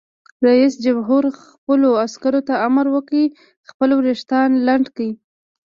رئیس جمهور خپلو عسکرو ته امر وکړ؛ خپل ویښتان لنډ کړئ!